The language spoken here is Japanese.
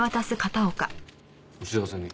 お幸せに。